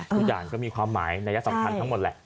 ทุกอย่างก็มีความหมายนัยสำคัญทั้งหมดแหละ